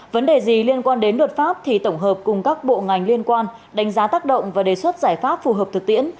vấn đề gì liên quan đến luật pháp thì tổng hợp cùng các bộ ngành liên quan đánh giá tác động và đề xuất giải pháp phù hợp thực tiễn